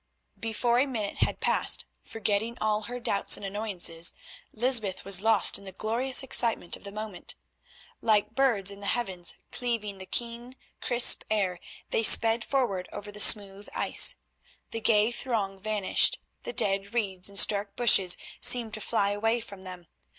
Before a minute had passed, forgetting all her doubts and annoyances, Lysbeth was lost in the glorious excitement of the moment. Like birds in the heavens, cleaving the keen, crisp air, they sped forward over the smooth ice. The gay throng vanished, the dead reeds and stark bushes seemed to fly away from them.